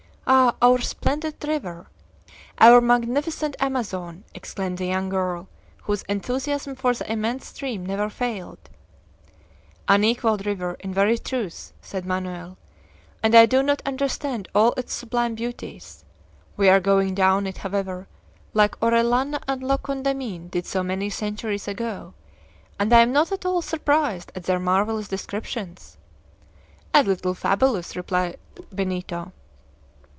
"Ah! our splendid river! our magnificent Amazon!" exclaimed the young girl, whose enthusiasm for the immense stream never failed. "Unequaled river, in very truth," said Manoel; "and I do not understand all its sublime beauties. We are going down it, however, like Orellana and La Condamine did so many centuries ago, and I am not at all surprised at their marvelous descriptions." "A little fabulous," replied Benito.